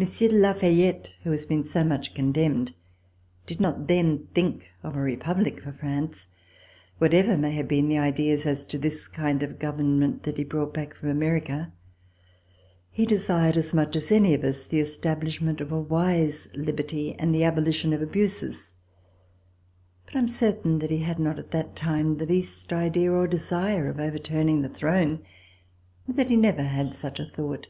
Monsieur de La Fayette, who has been so much condemned, did not then think of a republic for France, whatever may have been the ideas as to this kind of government that he had brought back from America. He desired as much as any of us the establishment of a wise liberty and the abolition of abuses, but I am certain that he had not at that time the least idea or desire of overturning the throne, and that he never had such a thought.